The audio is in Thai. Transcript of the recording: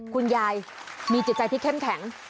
คุณยายมีจิตใจที่เข้มแข็ง